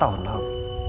empat tahun lalu